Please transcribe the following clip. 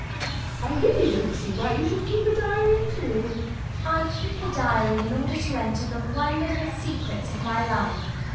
I really don't see why you should keep a diary at all. CECILY. I keep a diary in order to enter the wonderful secrets of my life.